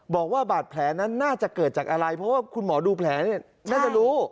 บอกว่าบาดแผลนั้นน่าจะเกิดจากอะไรเพราะว่าคุณหมอดูแผลน่าจะรู้